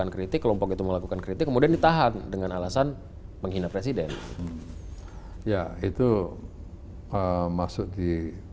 kritik kelompok itu melakukan kritik kemudian ditahan dengan alasan menghina presiden ya itu masuk di